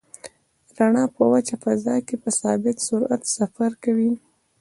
رڼا په وچه فضا کې په ثابت سرعت سفر کوي.